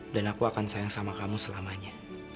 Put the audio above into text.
dan aku akan sayang sama kamu selamanya